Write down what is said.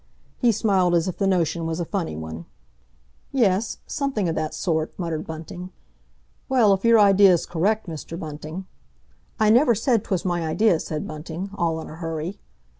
He smiled as if the notion was a funny one. "Yes, something o' that sort," muttered Bunting. "Well, if your idea's correct, Mr. Bunting—" "I never said 'twas my idea," said Bunting, all in a hurry.